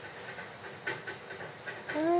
うん！